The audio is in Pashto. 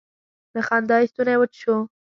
له خندا یې ستونی وچ شو.